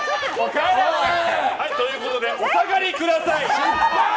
ということでお下がりください。